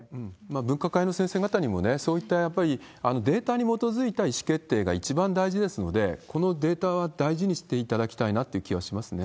分科会の先生方にも、そういったやっぱりデータに基づいた意思決定が一番大事ですので、このデータは大事にしていただきたいなっていう気はしますね。